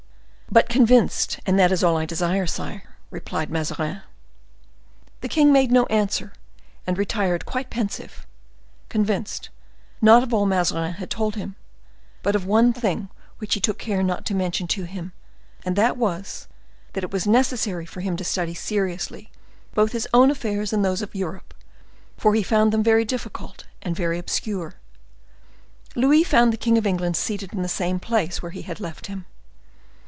"But convinced, and that is all I desire, sire," replied Mazarin. The king made no answer, and retired quite pensive, convinced, not of all Mazarin had told him, but of one thing which he took care not to mention to him; and that was, that it was necessary for him to study seriously both his own affairs and those of Europe, for he found them very difficult and very obscure. Louis found the king of England seated in the same place where he had left him.